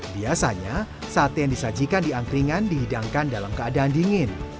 biasanya sate yang disajikan di angkringan dihidangkan dalam keadaan dingin